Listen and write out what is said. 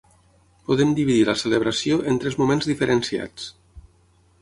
Podem dividir la celebració en tres moments diferenciats:.